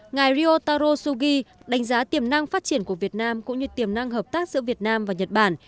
ngài riotaro suugi đánh giá tiềm năng phát triển của việt nam cũng như tiềm năng hợp tác giữa việt nam và nhật bản